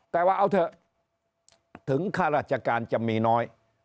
แต่ว่าเอาเถอะถึงข้าราชการจะมีน้อย